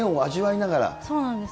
そうなんです。